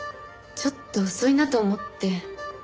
ちょっと遅いなと思って。